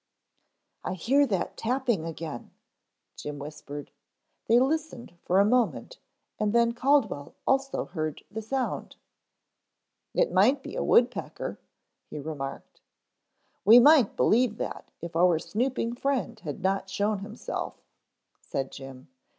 "I hear that tapping again," Jim whispered. They listened for a moment and then Caldwell also heard the sound. "It might be a woodpecker," he remarked. "We might believe that if our snooping friend had not shown himself," said Jim.